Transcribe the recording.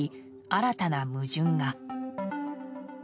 新たな矛盾が。